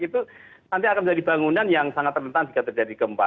itu nanti akan menjadi bangunan yang sangat rentan jika terjadi gempa